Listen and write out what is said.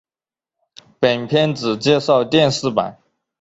本篇只介绍电视版。